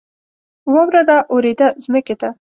واوره را اوورېده ځمکې ته